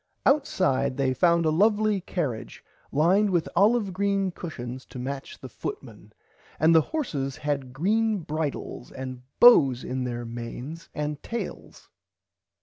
Outside they found a lovely cariage lined with olive green cushons to match the footman and the horses had green bridles and bows on their manes and tails.